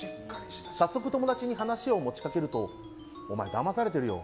早速、友達に話を持ち掛けるとお前だまされてるよ